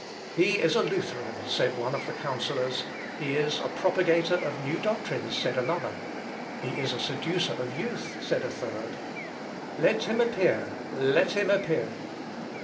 "He is a Lutheran," said one of the counsellors: "he is a propagator of new doctrines," said another: "he is a seducer of youth," said a third. "Let him appear, let him appear."